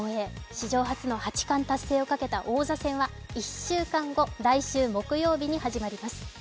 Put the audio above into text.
史上初の八冠達成をかけた王位戦は来週木曜日に始まります。